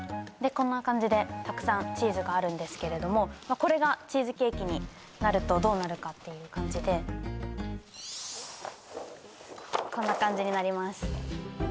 こんな感じでたくさんチーズがあるんですけれどもまあこれがチーズケーキになるとどうなるかっていう感じでこんな感じになります